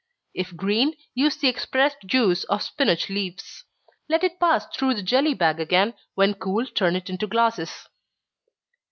If green, use the expressed juice of spinach leaves. Let it pass through the jelly bag again when cool, turn it into glasses.